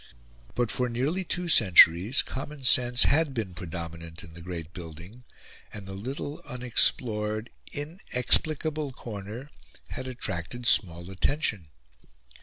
But, for nearly two centuries, common sense had been predominant in the great building, and the little, unexplored, inexplicable corner had attracted small attention.